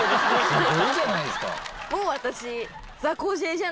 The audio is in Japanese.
すごいじゃないですか。